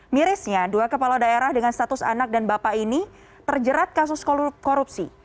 mirisnya dua kepala daerah dengan status anak dan bapak ini terjerat kasus korupsi